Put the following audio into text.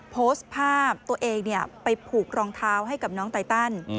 โพสต์ภาพตัวเองไปผูกรองเท้าให้กับน้องไตตัน